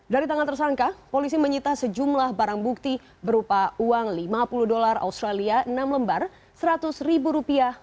dari tangan tersangka polisi menyita sejumlah barang bukti berupa uang lima puluh dolar australia enam lembar seratus ribu rupiah